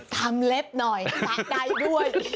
ทำเล็บหน่อยซะได้ด้วย